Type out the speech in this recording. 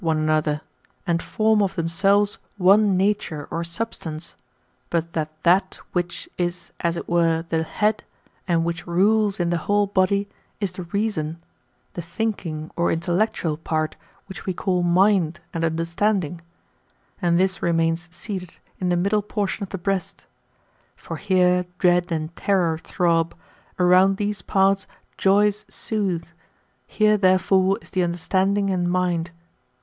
one another, and form of themselves one nature or substance; but that thai which is as it were the head, and which rules in the whole body, is the reason, the thinking or intellecitLal part which we call mind and understandiug; and this remains seated in the middle portion of the breast. For here dread and terror throb ; around these parts joys soothe ; here therefore is the understanding and mind.